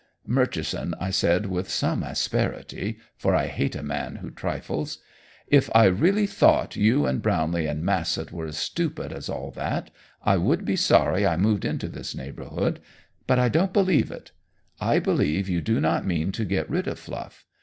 "Murchison," I said, with some asperity, for I hate a man who trifles, "if I really thought you and Brownlee and Massett were as stupid as all that, I would be sorry I moved into this neighborhood, but I don't believe it. I believe you do not mean to get rid of Fluff.